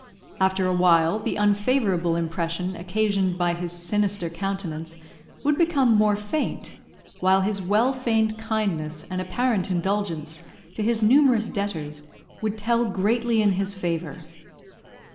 After a while the unfavourable impression occasioned by his sinister countenance would become more faint, while his well feigned kindness and apparent indulgence to his numerous debtors would tell greatly in his favour.